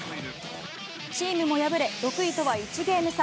チームも敗れ、６位とは１ゲーム差。